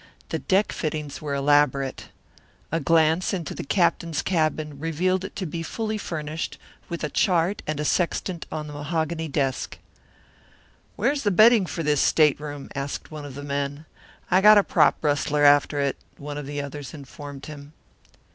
The deck fittings were elaborate. A glance into the captain's cabin revealed it to be fully furnished, with a chart and a sextant on the mahogany desk. "Where's the bedding for this stateroom?" asked one of the men. "I got a prop rustler after it," one of the others informed him.